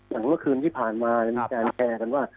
อย่างเมื่อคืนที่ผ่านมามีการแชร์กันว่า